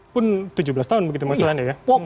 pun tujuh belas tahun begitu maksud anda ya